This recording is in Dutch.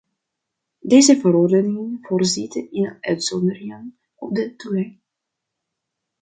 Deze verordening voorziet in uitzonderingen op de toegang.